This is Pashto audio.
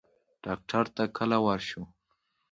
ډاکټر ته کله ورشو؟